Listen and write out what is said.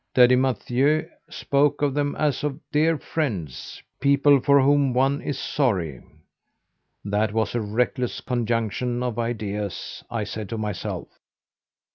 Daddy Mathieu spoke of them as of dear friends people for whom one is sorry. That was a reckless conjunction of ideas, I said to myself.